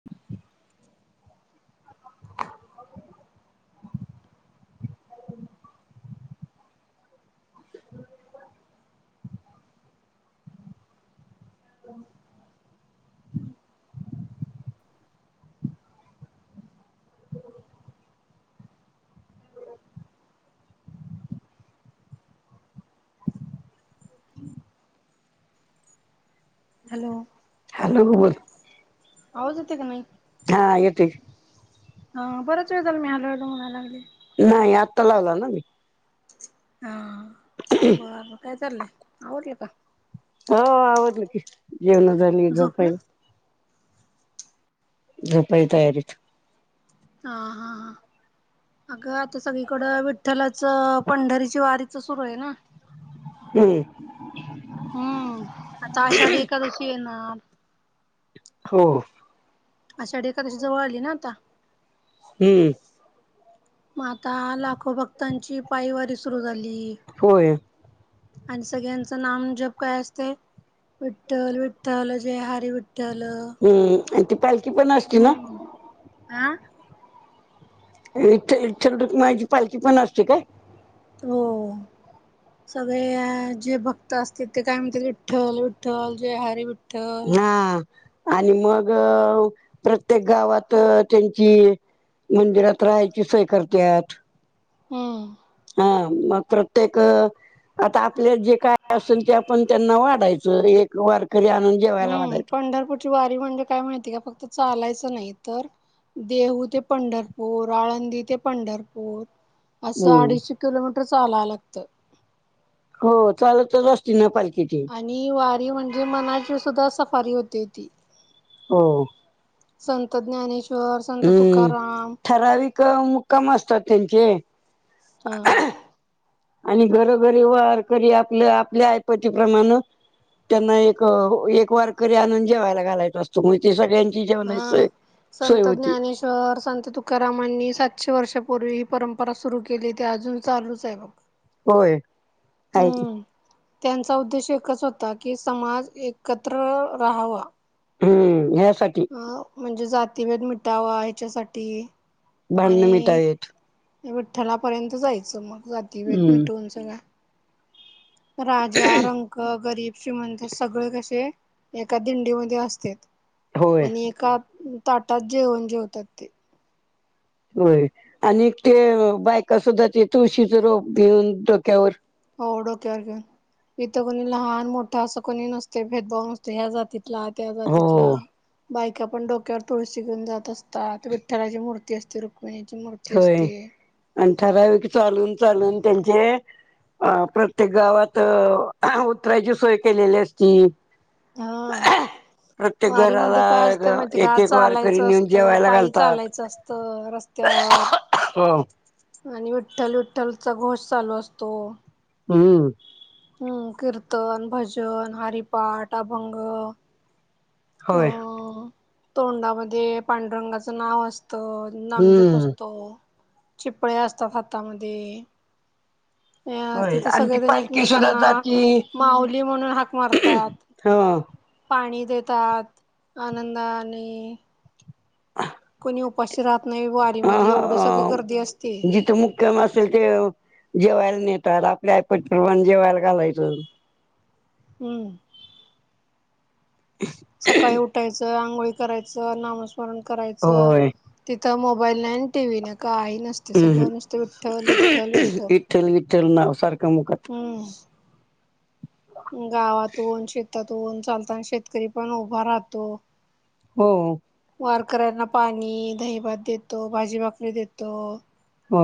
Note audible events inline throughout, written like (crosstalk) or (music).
(inaudible) Hello hello बोल आवाज येते का नाही हा येतो हा बरच वेळे झाल मी हलोल म्हणायला लागले नाही आत्ता लावला ना मी हा बरर काय चाललंय आवडलं का हो वद्ल क जीवनल इ झोपला? उपय रुपय तयारीत ह हा हा अगं आता सगळीकडं विठ्ठलाच पंढरीची वारीच सुरू आहे ना हम् हम्म आता आषाढी एकादशी येणार हो अशाडे काका तशी जवळ आली ना आता हम्म माता लाखो भक्तांची पायवारी सुर झा होय आणि सगळ्यांच नाम जप काय असते विठ्ठल विठ्ठल जय हारी विठ्ठल हम् आणि त पा हो आं इथेथेड माझी पालखी पण असते काय हो सगळे जे भक्त असतील ते काय म्हणते विठ्ठल विठ्ठल जे हरे विठ्ठल हा आणि मग प्रत्येक गावात त्यांची मंदिरात राहायची सोय करतात हम्म हा मग प्रत्येक आता आपले जे काय असेल ते आपण त्यांना वाढायचं एक वारकरी आणून जेवायला हम्म वाढायचं पंढरपूरची वारी म्हणजे काय माहितीय का फक्त चालायचं नाही तर देहू ते पंढरपूर आळंदी ते पंढरपूर असं हम्म अडीचशे किलोमीटर चालावं लागतं हो चालतच असती ना पालखीची आणि वारी म्हणजे मनाची सुद्धा सफारी होते ती हो संतज्ञा हम्म ठराविक मुक्काम असतात त्यांचे हा आणि घरोघरी वारकरी आपलं आपल्या आयपतीीप्रमाण त्यांना एक एक वारकरी आणनून जेवायला घालायच असतो तमुळे ते सगळ्यांची जेवण सय सोय होती तर संत तुकारामांनी सातशे वर्षापूर्वी ही परंपरा सुरू केली ती अजून चालूच आहे न होय कायच त्यांचा उद्देश एकच होता की समाज एकत्र राहावा हम्म हसाठी म्हणजे जातीभेद मिटावा ह्याच्यासाठी भांडणं आणि मिटावेत विठ्ठलापर्यंत जायचं मग जाती भेत हम्म मिटवून सगळं राजा रंक गरीब श्रीमंत सगळे कसे एका दिंडीमध्ये असते होय आणि एका ताटात जेवून जेवतात ते होय आणि ते बायका सुद्धा ते तुळशीच रोप घेऊन डोक्यावर हो डोके ओके इथं कोणी लहान मोठा असं कोणी नसते भेदभाव नसते ह्या जातील लाग हो जातटला (inaudible) बायका पण डोक्यावर तुळशी घऊन जात असतात विठलाची मूर्ती असते रुक्मिणीची मूर्ती होय असते. आणि ठराविक चालून चालून त्यांचे अ प्रत्येक गावात उतरायची सोय केलेली असती. हा प्रत्येक वारी मध्ये काय असतं घराला माहिती एक का एक वारकरी चालायचं नेऊन असतं जेवायला पायी घालतात. चालायचं असतं. तर रस्त्यावर हो आणि विठ्ठल विठ्ठलचा घोष चालू असतो. हम्म हम्म कीर्तन, भजन, हरिपाठ, अभंग अ होय तोंडामध्ये पांडुरंगाचं नाव असत. नामजप हम्म असतो, चिपळे असतात हातामध्ये ह अ तिथं सगळेजण एकमेकांना जाती माऊली म्हणून हाक मारतात. हा पाणी देतात आनंदाने कोणी उपाशी राहत नाही वारीमध्ये एवढं सगळी गर्दी असते. कम असेल ते जेवायला नेतात आपल्या आयपटपमाण जेवायला घालायचं. हम्म ए सकाळी उठायचं आंघोळी करायचं नामस्मरण करायचं. होय तिथं मोबाईल नाही टीव्ही नाही काही नसते सगळं नुसत विठ्ठल विठ्ठल विठ्ठल. विठ्ल विठ्ठल नाव सारखं मुखात - हम्म गावातून शेतातून चालताना शेतकरी पण उभा राहतो. हो वारकऱ्यांना पाणी दहीभात देतो भाजी भाकरी देतो. हो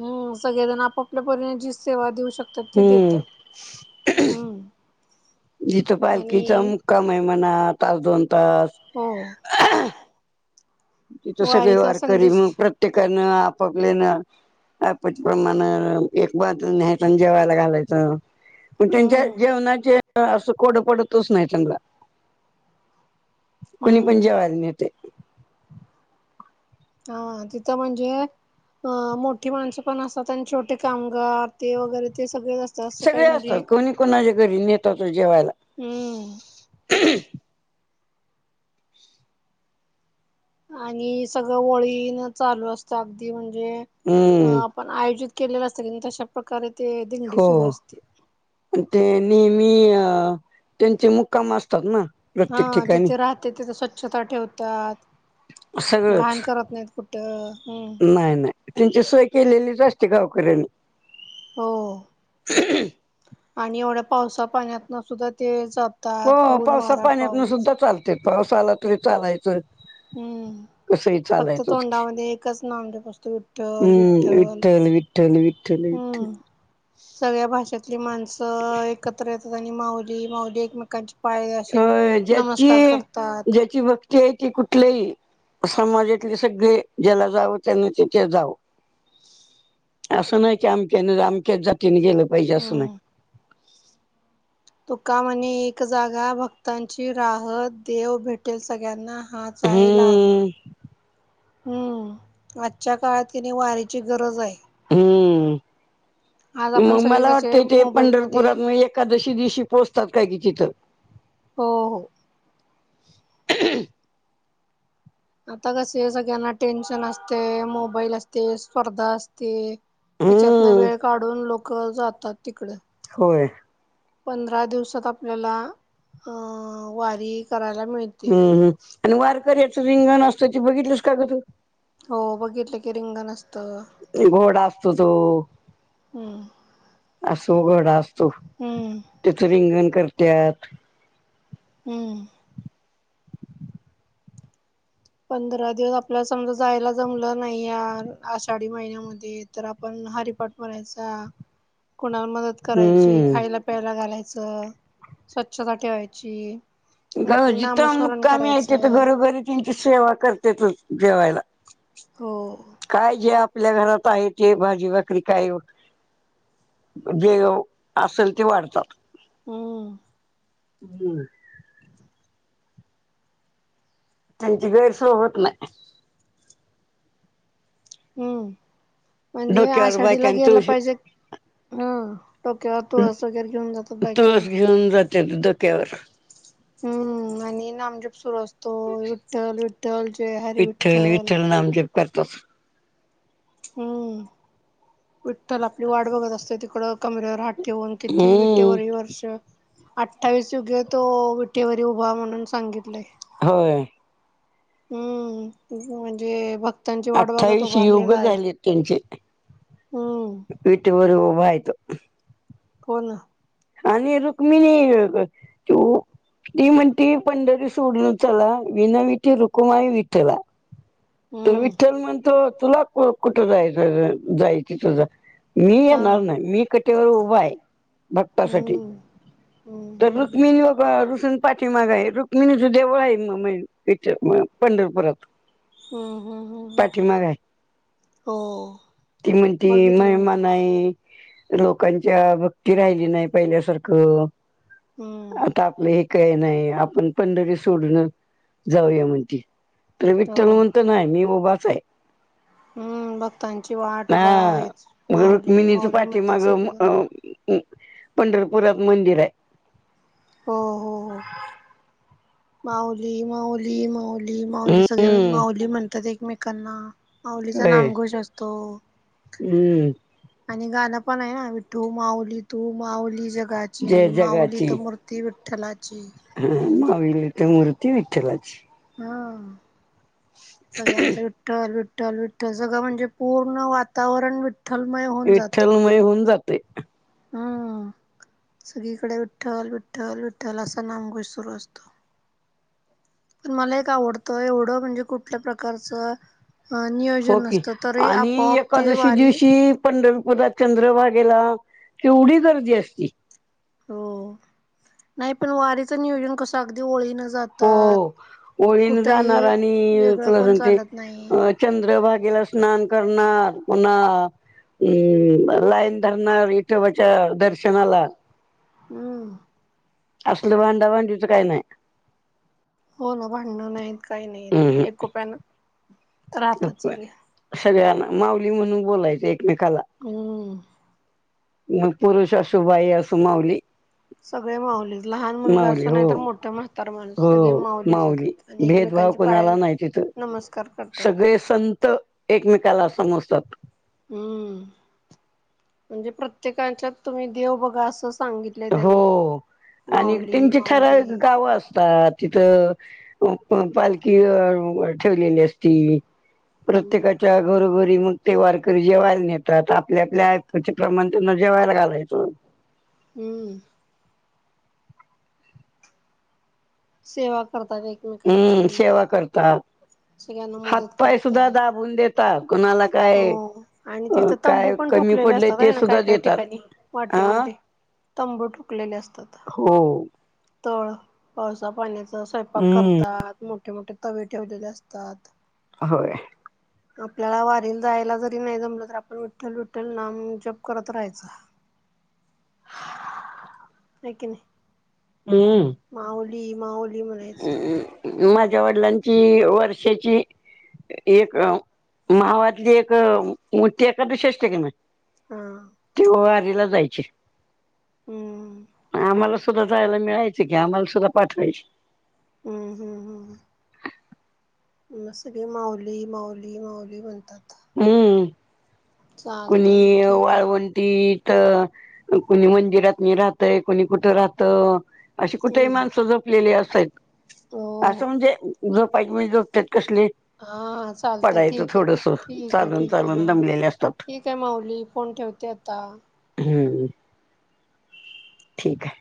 हम् सगळेजण आपापल्यापरीने जी सेवा देऊ शकत. हम्म हम्म जिते पाहिजे तीते आणि मुक्काम आहे म्हणा तास दोन तास हो तिथं सगळे वारीचा वारकरी संदेश मग प्रत्येकानं आपआपले. अप्रमाण एक ब न्यायताण जेवायला घालायचं. मग त्यांच्या हम्म जेवणाचे असं कोडं पडतच नाही त्यांना कुणी पण हम्म जेवायला नेते. हा तिथं म्हणजे अ मोठी माणसं पण असतात आणि छोटे कामगार ते वगैरे ते सगळेच असतात असं काही सगळे म्हणजे, असतात कोणी कोणाच्या घरी नेतात जेवायला हम्म! आणि सगळं वळीन चालू असतं अगदी म्हणजे. हम्म पण आयोजित केलेलं असतं तशा प्रकारे ते दिंडी सुरू हो. असते. ते नेहमी अ त्यांचे मुक्काम असतात ना. हा प्रत्येक ठिकाणी जिथे राहते तिथे स्वच्छता ठेवतात. सगळंच घाण करत नाहीत कुठं. हम्म! नाही नाही. त्यांची सोय केलेलीच असते गावकऱ्यांनी. हो आणि एवढ्या पावसा पाण्यात ना सुद्धा ते जात हो पावसा पाण्यातन सुद्धा चालतात पावसा आला तरी चालायचं. हम्म! कसंही फक्त चालायचंच. तोंडामध्ये एकच नाव म्हणजे फक्त विठ्ठल, विठ्ठल विठ्ठल, विठ्ठल, विठ्ठल. हम्म सगळ्या भाषातली माणसं एकत्र येतात आणि माऊली माऊली एकमेकांची ह ज्याची करतात ज्याची भक्ती आहे ती कुठलेही समाजातले सगळे ज्याला जावं त्यांना तिथे जावं. असं नाही की अमक्याने अमक्याच जातीने गेलं पाहिजे असं नाही. हम्म तुका म्हणे एक जागा भक्तांची राहत देव भेटेल सगळ्यांना हात. साहे लाभ. हम्म हम्म! आजच्या काळात की नी वारीची गरज आहे. हम्म! आज आपण मग सगळे मला वाटतं कसे इ ते मोबाईलमध्ये पंढरपुरात मगं एकादशी दिवशी पोहोचतात काय कि तिथं. हो हो. आता कसे सगळ्यांना टेन्शन असते. मोबाईल असते. स्पर्धा असते. हेच्यातनं हम्म वेळ काढून लोक जातात तिकड. होय. पंधरा दिवसात आपल्याला वारी करायला मिळते. हम्, हम, आणि वारकऱ्याच रिंगण असतं ते बघितल्यास का गं तू? हो बघितलं की रिंगणच. गोड असतो तो, हम्म असो गोड असतो. हम्म त्याच रिंगण करतत. हम्म! पंधरा दिवस आपल्याला समजा जायला जमलं नाही या आषाढी महिन्यामध्ये तर आपण हरिपाठ म्हणयचा कुणाला मदत करायची, हम्म खायला, प्यायला घालायचं, स्वच्छता ठेवायची. गं जिथं नामस्मरण मुक्कामी आहेत तिथं करायचं घरोघरी त्यांची सेवा करतेतच जेवायला. हो काय जे आपल्या घरात आहे, ते भाजी-भाकरी काय जेव असेल ते वाढतात. हम्! हम्म! त्यांची गैरसोय होत नाही. हम्म! म्हणजे डोक्यावर आषाढीला बायकांनी गेलं तुळशी पाहिजे. ह डोक्यावर तुळस वगैरे घेऊन जातात बायका. तुळस घेऊन जात्या (unintelligible) डोक्यावर हम्म! आणि नामजप सुरू असतो विठ्ठल, विठ्ठल जय हरी विठ्ठल. नामजप. करतोच. हम्म! विठ्ठल आपली वाट बघत असतोय तिकड कमरेवर हात ठेऊन. किती हम्म विटेवर वर्ष अठ्ठावीस युगे तो विटीवर उभा म्हणून सांगितलंय होय हम्म म्हणजे बघ अठ्ठावीस युग झाले त्यांचे हम्म विटे र उऊबा आयतो पण आणि रुक्मिणी तू ती म्हणती पंढरी सोडल चला विना विती रुकुमाई वि त्याला तर हम्म विठ्ठल म्हणतो तुला कुठं जायचं जाय तिथ मी हा येणार नाही मी कटेवर उभा आहे भक्तासाठी हम्म हम्म तर हम्म रुक्मिणी रुसून पाठीमाग आहे रुक्मिणीचं देवळ आहे इथ पंढरपुरात हम्म हम्म हम् ह पाठीमाग आहे हो ती म्हणती बघितलं म मी म ते नाही आहे लोकांच्या भक्ती राहिली नाही पहिल्यासारखं हम्म. आता आपलं हे काही नाही आपण पंढरी सोडून जाऊया म्हण. त हो विठ्ठल म्हणत नाही मी उभाच आहे. हम्म भक्तांची वाट उभा हा आहे मग माऊली माऊली म्हणतात सगळेजण. ह् पंढरपुरात मंदिर आहे. हो हो हो. ह. माऊली माऊली माऊली माऊली सगळे हम्म माऊली म्हणतात एकमेकांना. आवलीचा होय नामघोष असतो. हम्म आणि गाणं पण आहे ना विठ्ठू माऊली तू माऊली जय जगाची माऊली तर म. ती विठ्ठलाची. हा मावी ते मूर्ती विठलाची. हा सगळ्यांच. विठ्ठल विठ्ठल विठ्ठल सगळं म्हणजे पूर्ण वातावरण विठ्ठ. थलमय. विठ्ठलमय होऊन जाते. हम्. सगळीकडे विठ्ठल विठ्ठल विठ्ठल असा नामघोष सुरू असतो. पण मला एक आवडतं एवढं म्हणजे कुठल्या प्रकारचं. अ हो नियोजन की नसतं तरी आणि आपोआप ते एकादशी वारी. दिवशी पंढरपुरात चंद्रभागेला तेवढी गर्दी असती. हो नाही पण वारीच नियोजन कस अगदी ओळी न जात. हो ओळीन जाणार आणि वेगळं तुला कोण सांगते. चालत नाही चंद्रभागेला स्नान करणार पुन्हा. हम्म लाईन धरणार इथे बच्या दर्शनाला. हम्म. असल भांडा भांडीचं काही नाही. हो ना भांडणं नाहीत काही नाहीत एक कुप्यान. अ सर ना माऊली म्हणून बोलायच एकमेकाला. हम्म मग पुरुष अशुबाई अस मावली. सगळे माऊली लहान मुलगा माऊली असून नाही हो तर मोठ्या म. तर माणूस सगळे हो माऊलीच होते माऊली आणि भेदभाव एकमेकांचे पाय कोणाला नाही तिथं नमस्कार करतात. सगळे संत एकमेकाला समजतात. हम्म म्हणजे प्रत्येकाच्यात तुम्ही देव बघा असं सांगित. हो आणि त्यांची माऊली ठराव गावं असतात. तिथं पालखी ठेवलेली असती. हम्म प्रत्येका. च्या घरोघरी मग ते वारकरी जेवायला नेतात आपल्या आपल्या ऐकाच्या प्रमाण त्यांना जेवायला घालायचो. हम्म. सेवा करता व्यक्त. हम्म सेवा करतात सगळ्यांना मदत हातपाय सुद्धा करतात दाबून देत. कोुणाला काय. हो आणि तिथं तंबू काय पण कमी ठोकलेले पडले असतात ते आहे ना काय सुद्धा काय देतात ठिकाणी हा वाटेमध्ये. तंबू टुकलेले असतात. हो. तळ पावसा पाण्याचा स्वयंपाक हम्म करतात मोठे मोठे तवे ठेवलेले असतात. होय. आपल्याला वा. जायला जरी नाही जमलं तरी आपण विठ्ठल विठ्ठल नाम जप करत राहायं. एकक नाही. हम् माऊली, माऊली म्हणायचं. माझ्या वडिलांची वर्षाची एक मावातली एक मोठी एकादशी असते का नाय हा तेव्हा वारीला जायचे हम् आम्हाला सुद्धा जायला मिळायच की आम्हाला सुद्धा पाठवायचे. हम्म हम्म हम सगळी माऊली माऊली माऊली म्हणतात. हम्म चालतय मग कुणी ठीक आहे वाळवण ी तर कोणी मंदिरात न राहतय कोणी कुठं राहत. अशी कुठेही हम्म माणसं झोपलेली हो असतत असं हो म्हणजे झोपायचे म्हणजे झोपतात कसले. हा चालत पडायचं ठीक थोडस आहे ठीक ये. क चालून ठीक आहे हा चालून दमलेले असतात ठीक आहे माऊली फोन ठेवते आता. हम्म ठीक आहे